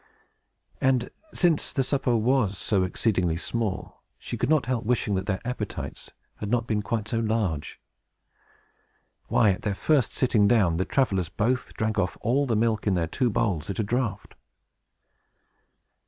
And, since the supper was so exceedingly small, she could not help wishing that their appetites had not been quite so large. Why, at their very first sitting down, the travelers both drank off all the milk in their two bowls, at a draught.